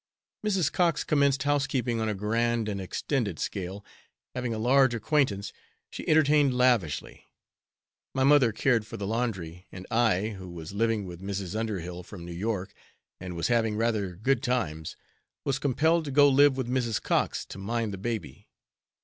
Mrs. Cox commenced housekeeping on a grand and extended scale, having a large acquaintance, she entertained lavishly. My mother cared for the laundry, and I, who was living with a Mrs. Underhill, from New York, and was having rather good times, was compelled to go live with Mrs. Cox to mind the baby.